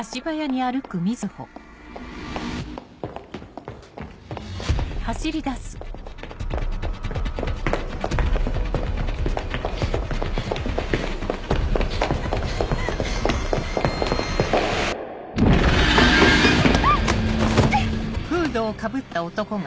あっ！